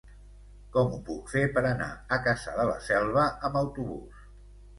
Com ho puc fer per anar a Cassà de la Selva amb autobús?